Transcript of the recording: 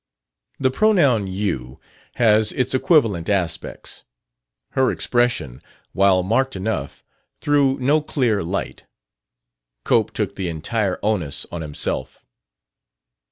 The pronoun "you" has its equivocal aspects. Her expression, while marked enough, threw no clear light. Cope took the entire onus on himself.